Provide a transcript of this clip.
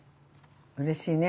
うれしいね。